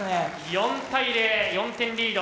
４対０４点リード。